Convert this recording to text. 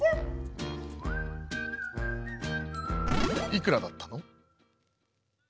「いくらだったの？」。